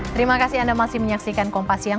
terima kasih anda masih menyaksikan kompas siang